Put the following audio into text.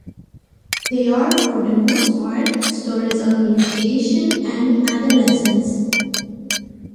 They are, for the most part, stories of initiation and adolescence.